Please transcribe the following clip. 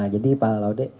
jadi pak laude